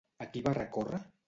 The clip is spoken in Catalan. A qui va recórrer?